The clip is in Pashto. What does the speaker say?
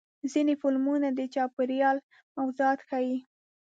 ځینې فلمونه د چاپېریال موضوعات ښیي.